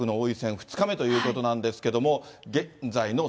２日目ということなんですけども。